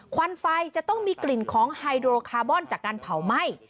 ควันไฟจะต้องมีกลิ่นของไฮโดรคาร์บอนจากการเผาไหม้